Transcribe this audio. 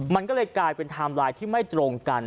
มันก็เลยกลายเป็นไทม์ไลน์ที่ไม่ตรงกัน